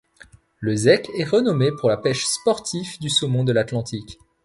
La zec est renommée pour la pêche sportif du saumon de l'Atlantique.